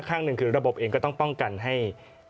ข้างหนึ่งคือระบบเองก็ต้องป้องกันให้